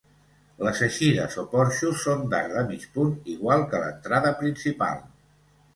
Les eixides o porxos són d'arc de mig punt, igual que l'entrada principal.